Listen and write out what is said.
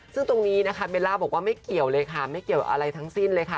ซึ่งตรงนี้นะคะเบลล่าบอกว่าไม่เกี่ยวเลยค่ะไม่เกี่ยวอะไรทั้งสิ้นเลยค่ะ